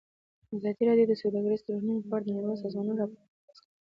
ازادي راډیو د سوداګریز تړونونه په اړه د نړیوالو سازمانونو راپورونه اقتباس کړي.